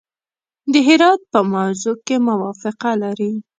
د هرات په موضوع کې موافقه لري.